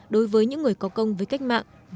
đối với những người có công với cách mạng với đất nước